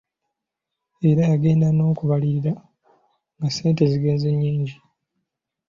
Era yagenda n'okubalirira nga ssente zigenze nnyingi.